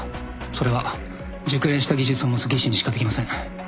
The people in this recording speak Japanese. それは熟練した技術を持つ技師にしかできません。